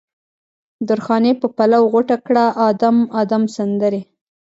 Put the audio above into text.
درخانۍ په پلو غوټه کړه ادم، ادم سندرې